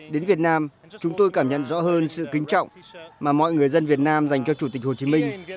đến việt nam chúng tôi cảm nhận rõ hơn sự kính trọng mà mọi người dân việt nam dành cho chủ tịch hồ chí minh